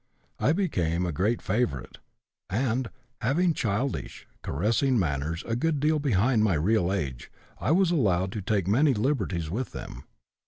I became a great favorite, and, having childish, caressing manners a good deal behind my real age, I was allowed to take many liberties with them.